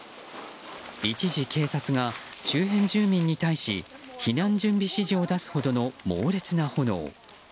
一時、警察が周辺住民に対し避難準備指示を出すほどの猛烈な炎。